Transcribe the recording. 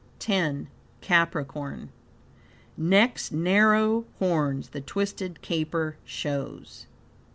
X. Capricorn "Next narrow horns the twisted Caper shows."